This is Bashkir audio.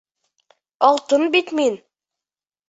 Алтын бит мин!